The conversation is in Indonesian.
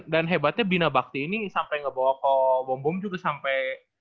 dan hebatnya bina bakti ini sampai ngebawa kok bom bom juga sampai